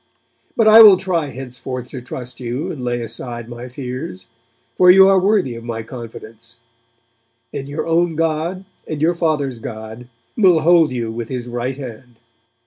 But I will try henceforth to trust you, and lay aside my fears; for you are worthy of my confidence; and your own God and your father's God will hold you with His right hand.'